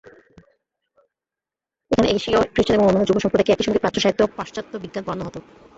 এখানে এশীয় খ্রিষ্টান এবং অন্যান্য যুব সম্প্রদায়কে একই সঙ্গে প্রাচ্য সাহিত্য ও পাশ্চাত্য বিজ্ঞান পড়ানো হতো।